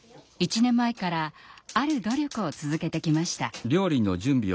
１年前からある努力を続けてきました。